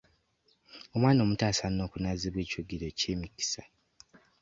Omwana omuto asaana okunaazibwa eky'ogero eky'emikisa.